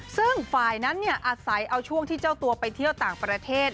ซึ่งฝ่ายนั้นอาศัยเอาช่วงที่เจ้าตัวไปเที่ยวต่างประเทศ